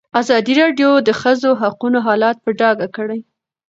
ازادي راډیو د د ښځو حقونه حالت په ډاګه کړی.